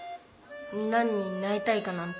何になりたいかなんて。